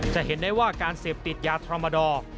จะเห็นได้ว่าการเสพติดยาธรรมดอร์